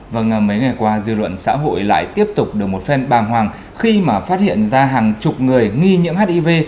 vâng mấy ngày qua dư luận xã hội lại tiếp tục được một phen bàng hoàng khi mà phát hiện ra hàng chục người nghi nhiễm hiv